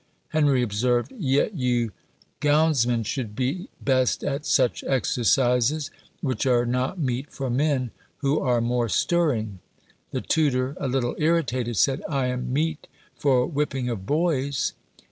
Henry observed, "Yet you gownsmen should be best at such exercises, which are not meet for men who are more stirring." The tutor, a little irritated, said, "I am meet for whipping of boys."